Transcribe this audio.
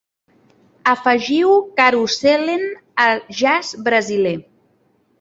Afegiu "Karusellen" a jazz brasiler